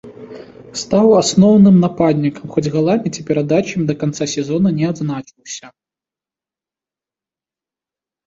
Стаў адным з асноўных нападнікаў, хоць галамі і перадачамі да канца сезона не адзначыўся.